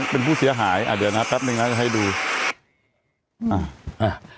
เป็นผู้เสียหายอ่ะเดี๋ยวนะแป๊บนึงนะจะให้ดูอ่า